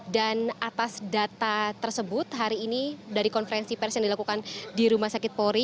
dan atas data tersebut hari ini dari konferensi pers yang dilakukan di rumah sakit polri